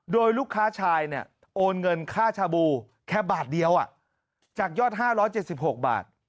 โดยลูกค้าชายเนี่ยโอนเงินค่าชาบูแค่บาทเดียวจากยอด๕๗๖บาท